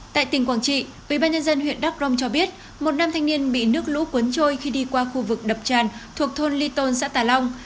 tại tỉnh quảng trị ubnd huyện đắk rông cho biết một nam thanh niên bị nước lũ cuốn trôi khi đi qua khu vực đập tràn thuộc thôn ly tôn xã tà long